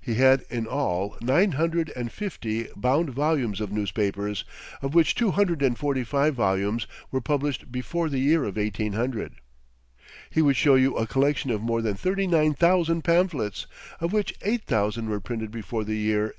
He had in all nine hundred and fifty bound volumes of newspapers, of which two hundred and forty five volumes were published before the year 1800. He would show you a collection of more than thirty nine thousand pamphlets, of which eight thousand were printed before the year 1800.